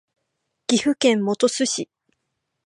岐阜県本巣市